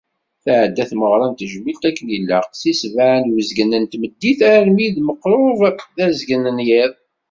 Tεedda tmeɣra n tejmilt akken ilaq, si ssebεa d uzgen n tmeddit armi d meqrub tazeggant n yiḍ.